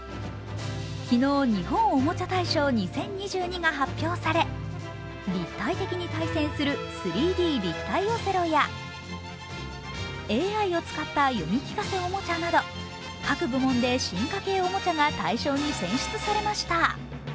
昨日、日本おもちゃ大賞２０２２が発表され立体的に対戦する３Ｄ立体オセロやＡＩを使った読み聞かせおもちゃなど、各部門で、進化形おもちゃが大賞に選出されました。